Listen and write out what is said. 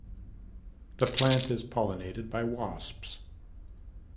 The plant is pollinated by wasps.